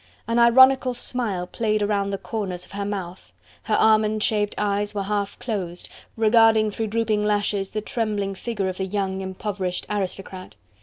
An ironical smile played round the corners of her mouth, her almond shaped eyes were half closed, regarding through dropping lashes the trembling figure of the young impoverished aristocrat.